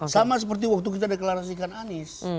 sama seperti waktu kita deklarasikan anies